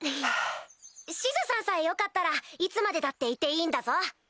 シズさんさえよかったらいつまでだっていていいんだぞ。